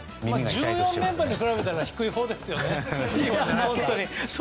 １４連敗に比べたら低いほうですよね。